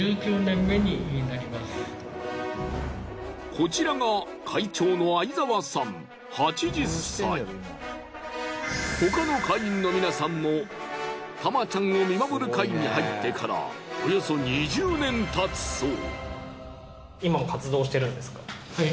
こちらが他の会員の皆さんもタマちゃんを見守る会に入ってからおよそ２０年たつそう。